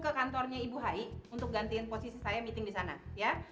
ke kantornya ibu hai untuk gantiin posisi saya meeting di sana ya